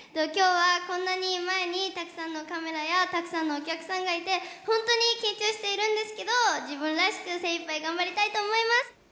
今日はこんなに前にたくさんのカメラやたくさんのお客さんがいてホントに緊張しているんですけど自分らしく精いっぱい頑張りたいと思います